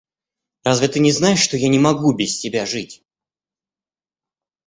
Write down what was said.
Разве ты не знаешь, что я не могу без тебя жить?